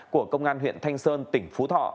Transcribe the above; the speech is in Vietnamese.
của công an huyện thanh sơn tỉnh phú thọ